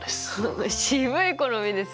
渋い好みですね。